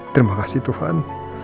terima kasih tuhan